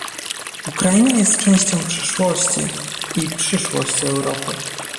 Ukraina jest częścią przeszłości i przyszłości Europy